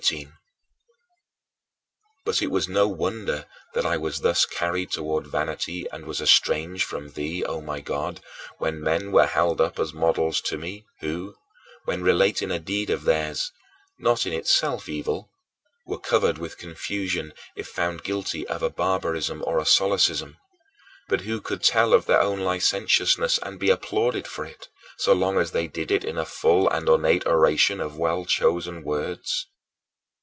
But it was no wonder that I was thus carried toward vanity and was estranged from thee, O my God, when men were held up as models to me who, when relating a deed of theirs not in itself evil were covered with confusion if found guilty of a barbarism or a solecism; but who could tell of their own licentiousness and be applauded for it, so long as they did it in a full and ornate oration of well chosen words.